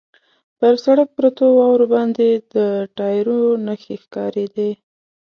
پر سړک پرتو واورو باندې د ټایرو نښې ښکارېدې.